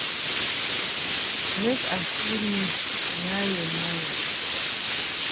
Make I sleep me nayo nayo.